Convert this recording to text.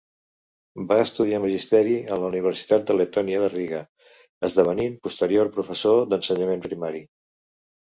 Va estudiar magisteri a la Universitat de Letònia de Riga, esdevenint posterior professor d'ensenyament primari.